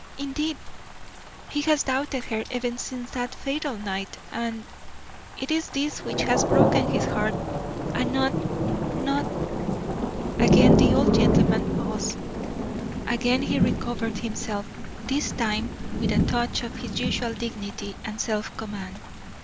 Indeed, he has doubted her ever since that fatal night, and it is this which has broken his heart, and not not " Again the old gentleman paused; again he recovered himself, this time with a touch of his usual dignity and self command.